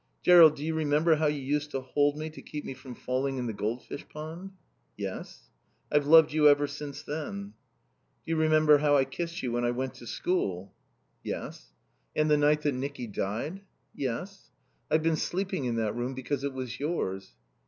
"Jerrold, do you remember how you used to hold me to keep me from falling in the goldfish pond?" "Yes." "I've loved you ever since then." "Do you remember how I kissed you when I went to school?" "Yes." "And the night that Nicky died?" "Yes." "I've been sleeping in that room, because it was yours."